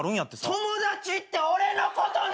友達って俺のことなん？